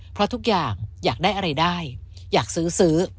เพราะทุกอย่างอยากได้อะไรได้อยากซื้อซื้อ